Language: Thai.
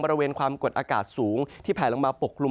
บริเวณความกดอากาศสูงที่แผลลงมาปกกลุ่ม